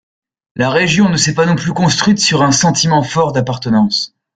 La région ne s’est pas non plus construite sur un sentiment fort d’appartenance.